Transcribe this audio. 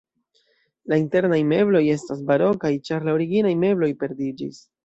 La internaj mebloj estas barokaj, ĉar la originaj mebloj perdiĝis.